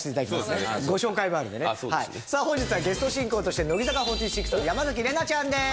さあ本日はゲスト進行として乃木坂４６の山崎怜奈ちゃんです。